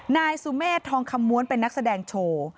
นายสุเมฆทองคำม้วนเป็นนักแสดงโชว์